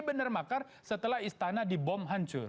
benar makar setelah istana dibom hancur